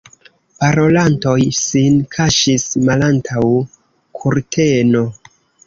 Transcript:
Parolantoj sin kaŝis malantaŭ kurteno.